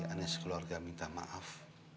aneh si keluarga minta maaf